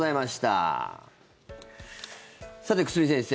さて、久住先生